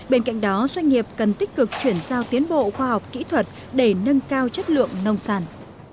bên cạnh đó doanh nghiệp cần tích cực chuyển giao tiến bộ khoa học kỹ thuật để nâng cao chất lượng nông sản